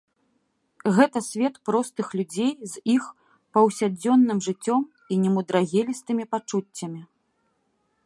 Гэта свет простых людзей з іх паўсядзённым жыццём і немудрагелістымі пачуццямі.